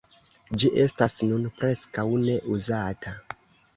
Ĝi estas nun preskaŭ ne uzata.